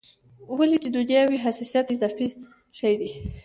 ولې چې دنیا وي حیثیت اضافي شی دی.